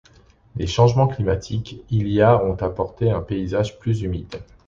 Les changements climatiques il y a ont apporté un paysage plus humide.